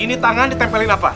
ini tangan ditempelin apa